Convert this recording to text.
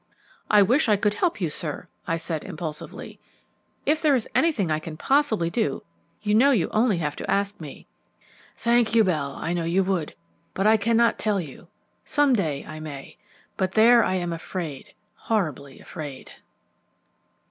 "I wish I could help you, sir," I said impulsively. "If there is anything I can possibly do, you know you have only to ask me." "Thank you, Bell, I know you would; but I cannot tell you. Some day I may. But there, I am afraid horribly afraid."